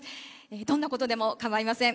どんなことでも構いません。